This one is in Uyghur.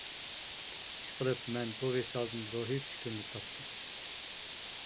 ئىشقىلىپ مەن بۇ ۋىسالدىن روھى چۈشكۈنلۈك تاپتىم.